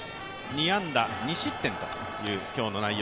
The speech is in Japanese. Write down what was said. ２安打、２失点という今日の内容。